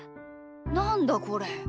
なんだこれ？